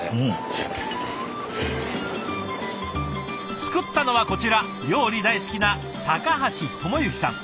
作ったのはこちら料理大好きな橋智幸さん。